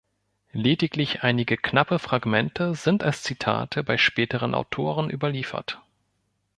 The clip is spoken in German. Lediglich einige knappe Fragmente sind als Zitate bei späteren Autoren überliefert.